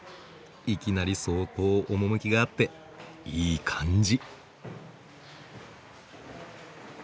いきなり相当趣があっていい感じ。